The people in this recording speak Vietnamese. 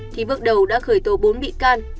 thì bước đầu đã khởi tổ bốn bị can